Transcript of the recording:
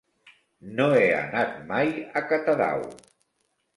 No he anat mai a Catadau.